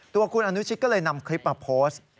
ตัวคุณอนุชิตก็เลยนำคลิปมาโพสต์